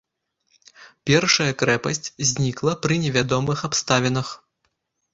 Першая крэпасць знікла пры невядомых абставінах.